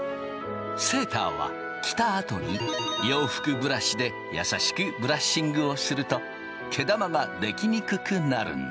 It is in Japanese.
セーターは着たあとに洋服ブラシで優しくブラッシングをすると毛玉が出来にくくなるんだ。